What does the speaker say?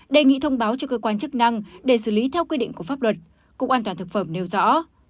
đề nghị thông báo cho cơ quan chức năng để xử lý theo quy định của pháp luật cục an toàn thực phẩm nêu rõ